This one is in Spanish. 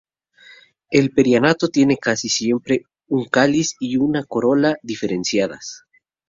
El perianto tiene casi siempre un cáliz y una corola diferenciadas.